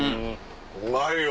うまいよ！